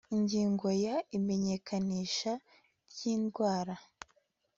ingingo ya imenyekanisha ry indwara